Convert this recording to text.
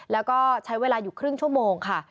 แล้วก็ใช้เวลาอยู่ครึ่งชั่วโมงค่ะ